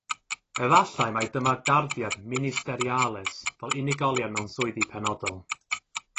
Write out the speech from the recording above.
Efallai mai dyma darddiad ministeriales fel unigolion mewn swyddi penodol.